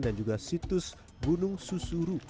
dan juga situs gunung susu